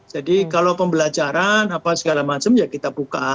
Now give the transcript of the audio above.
jadi kalau pembelajaran apa segala macam ya kita buka